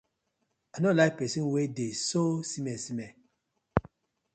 I no like pesin we dey so smer smer.